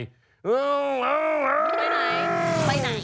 ไปไหนไปไหน